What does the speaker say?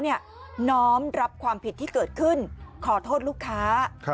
น้องรับความผิดที่เกิดขึ้นขอโทษลูกค้า